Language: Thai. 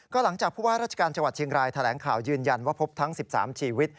ก็หลังจากผู้ว่าราชการจังหวัดเชียงรายแถลงข่าวยืนยันว่าพบทั้ง๑๓ชีวิต